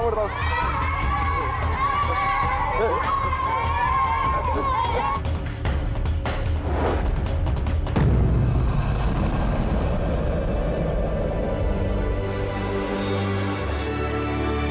terima kasih pak